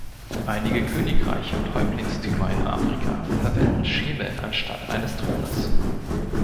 Einige Königreiche und Häuptlingstümer in Afrika verwenden Schemel anstatt eines Thrones.